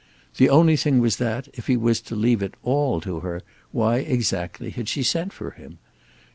The only thing was that, if he was to leave it all to her, why exactly had she sent for him?